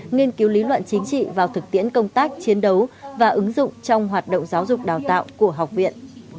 nghiên cứu lý luận chính trị vào thực tiễn công tác chiến đấu và ứng dụng trong hoạt động giáo dục đào tạo của học viện